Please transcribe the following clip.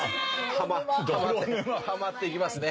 ハマっていきますね。